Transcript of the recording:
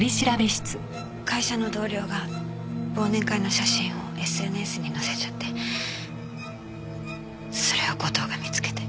会社の同僚が忘年会の写真をＳＮＳに載せちゃってそれを後藤が見つけて。